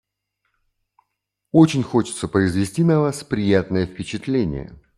Очень хочется произвести на Вас приятное впечатление.